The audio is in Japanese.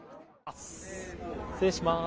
失礼します。